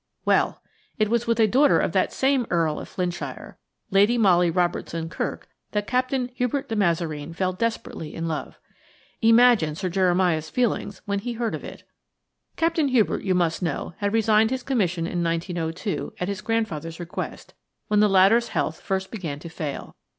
Well! it was with a daughter of that same Earl of Flintshire, Lady Molly Robertson Kirk, that Captain Hubert de Mazareen fell desperately in love. Imagine Sir Jeremiah's feelings when he heard of it. Captain Hubert, you must know, had resigned his commission in 1902 at his grandfather's request, when the latter's health first began to fail.